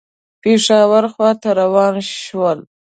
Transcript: پېښور خواته روان شول.